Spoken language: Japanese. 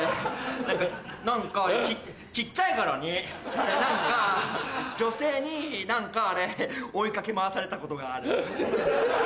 何か何か小っちゃい頃に何か女性に何かあれ追い掛け回されたことがある。